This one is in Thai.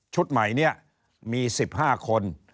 ชุดใหม่เนี่ยมี๑๕คน